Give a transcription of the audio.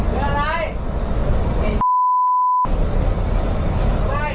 ไปไปปีนลงไปเลย